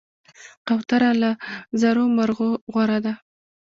کوتره له زرو مرغانو غوره ده.